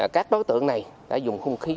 các đối tượng này đã dùng hung khí